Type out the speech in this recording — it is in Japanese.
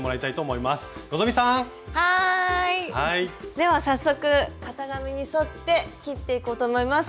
では早速型紙に沿って切っていこうと思います。